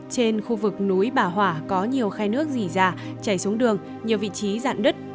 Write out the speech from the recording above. trên khu vực núi bảo hỏa có nhiều khai nước dỉ dạ chảy xuống đường nhiều vị trí dạn đứt